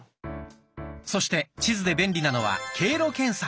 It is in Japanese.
そして地図で便利なのは経路検索。